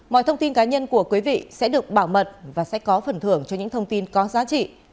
mọi thông tin cá nhân của quý vị sẽ được bảo mật và sẽ có phần thưởng cho những thông tin có giá trị